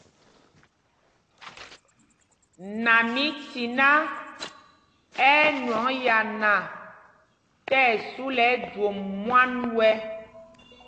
Namítiná ɛ́ ɛ́ nwɔŋ yana tí ɛsu lɛ ɛjwôm mwân wɛ́.